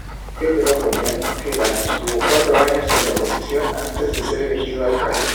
Pedro Rollán Ojeda estuvo cuatro años en la oposición antes de ser elegido alcalde.